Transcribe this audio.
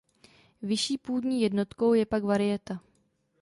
Vyšší půdní jednotkou je pak varieta.